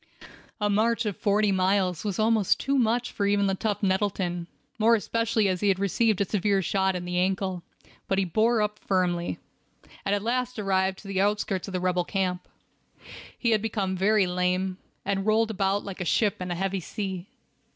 A march of forty miles was almost too much even for the tough Nettleton, more especially as he had received a severe shot in the ankle; but he bore up firmly, and at last arrived at the outskirts of the rebel camp. He had become very lame, and rolled about like a ship in a heavy sea.